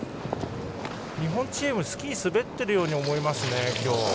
日本チーム、今日スキー滑っているように思います。